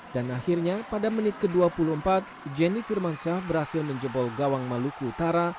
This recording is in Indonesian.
dan akhirnya pada menit ke dua puluh empat jenny firmansyah berhasil menjebol gawang maluku utara